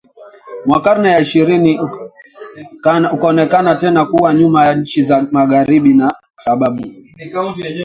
mwa karne ya ishirini ukaonekana tena kuwa nyuma ya nchi za magharibi na sababu